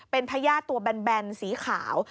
เป็นพญาติตัวแบนสีขาว